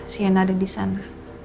sienna ada di sana